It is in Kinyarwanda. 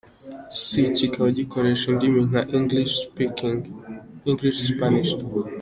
C, kikaba gikoresha indimi nka English, Spanish.